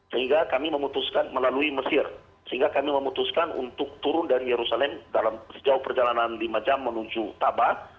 sehingga kami memutuskan melalui mesir sehingga kami memutuskan untuk turun dari yerusalem dalam sejauh perjalanan lima jam menuju tabah